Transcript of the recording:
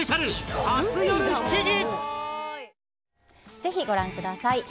ぜひご覧ください。